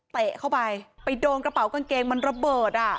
เตะเข้าไปไปโดนกระเป๋ากางเกงมันระเบิดอ่ะ